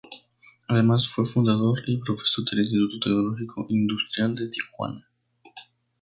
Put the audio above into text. Además, fue fundador y profesor del Instituto Tecnológico Industrial de Tijuana.